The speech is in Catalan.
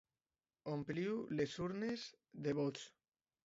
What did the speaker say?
Ompliu les urnes de vots.